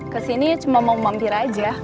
kesini cuma mau mampir aja